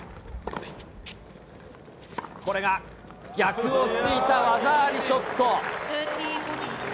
これが逆を突いた技ありショット。